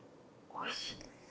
おいしい。